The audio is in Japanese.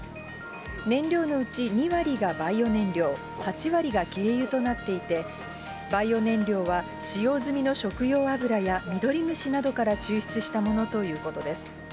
燃料のうち２割がバイオ燃料、８割が経由となっていて、バイオ燃料は使用済みの食用油やミドリムシなどから抽出したものということです。